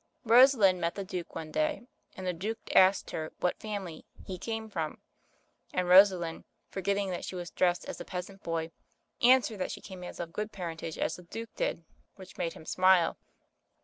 Rosalind met the Duke one day, and the Duke asked her what family "he came from." And Rosalind, forgetting that she was dressed as a peasant boy, answered that she came of as good paren tage as the Duke did, which made him smile.